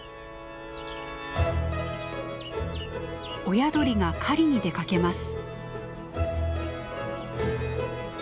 親鳥が狩りに出かけます。